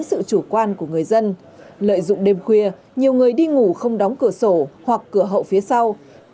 với sự chủ quan của người dân lợi dụng đêm khuya nhiều người đi ngủ không đóng cửa sổ hoặc cửa hậu phía sau